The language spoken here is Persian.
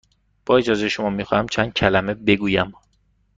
با اجازه شما، می خواهم چند کلمه بگویم.